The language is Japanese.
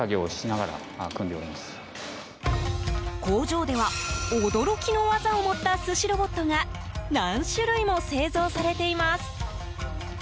工場では驚きの技を持った寿司ロボットが何種類も製造されています。